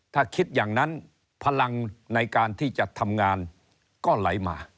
ถ้าคิดอย่างนั้นพลังในการที่จะทำงานก็ไหลมา